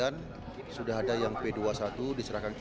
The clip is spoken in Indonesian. nunggu perintah semuanya